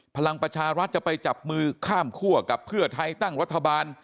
พลังประชารัฐจะไปจับมือข้ามคั่วกับเพื่อไทยตั้งรัฐบาล